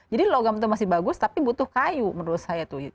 jadi logam itu masih bagus tapi butuh kayu menurut saya tuh